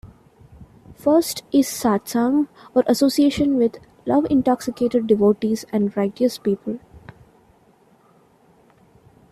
First is "satsang" or association with love-intoxicated devotees and righteous people.